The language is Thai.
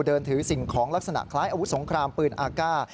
เดินถือสิ่งของลักษณะคล้ายอาวุธสงครามปืนอากาศ